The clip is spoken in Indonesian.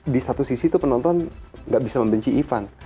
di satu sisi itu penonton nggak bisa membenci ivan